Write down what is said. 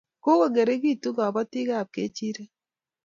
Kokongeringitu kabotikab kechirek